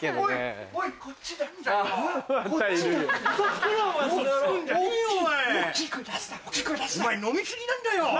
お前飲み過ぎなんだよ。